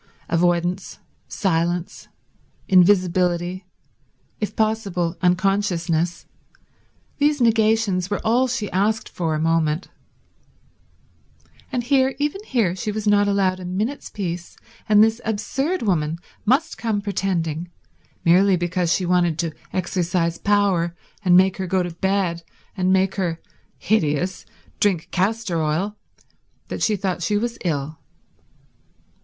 Avoidance, silence, invisibility, if possible unconsciousness—these negations were all she asked for a moment; and here, even here, she was not allowed a minute's peace, and this absurd woman must come pretending, merely because she wanted to exercise power and make her go to bed and make her—hideous—drink castor oil, that she thought she was ill.